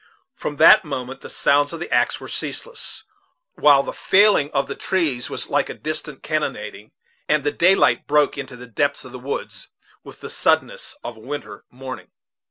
From that moment the sounds of the axe were ceaseless, while the failing of the trees was like a distant cannonading; and the daylight broke into the depths of the woods with the suddenness of a winter morning.